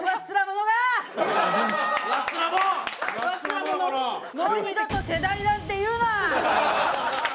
もう二度と「世代」なんて言うな！